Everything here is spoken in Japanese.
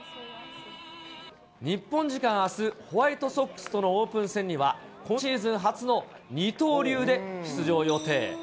日本時間あす、ホワイトソックスとのオープン戦には、今シーズン初の二刀流で出場予定。